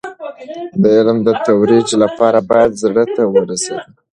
د علم د ترویج لپاره باید زړه ته ورسېدو.